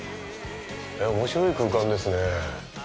面白い空間ですね。